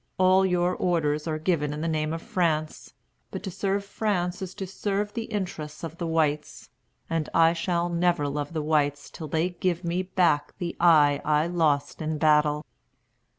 All your orders are given in the name of France. But to serve France is to serve the interests of the whites; and I shall never love the whites till they give me back the eye I lost in battle."